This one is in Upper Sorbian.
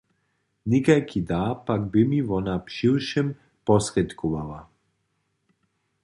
Někajki dar pak bě mi wona přiwšěm posrědkowała.